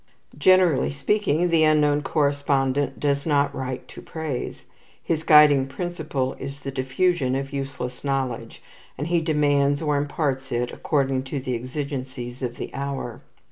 Generally speaking, the unknown correspondent does not write to praise. His guiding principle is the diffusion of useless knowledge, and he demands or imparts it according to the exigencies of the hour.